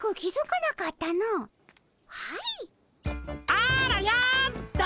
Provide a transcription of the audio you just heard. あらよっと。